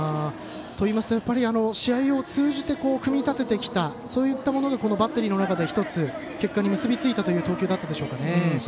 といいますと、やっぱり試合を通じて組み立ててきたそういったものがバッテリーの中で結果的に結び付いた投球だったでしょうか。